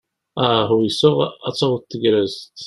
Ah! Uysaɣ ad taweḍ tegrest.